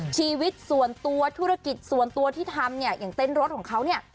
ชีวิตส่วนตัวธุรกิจส่วนตัวที่ทำเนี่ยอย่างเต้นรถของเขาเนี่ย